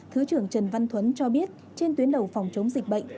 thứ trưởng trần văn thuấn cho biết trên tuyến đầu phòng chống dịch bệnh